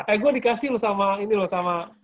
eh gue dikasih loh sama ini loh sama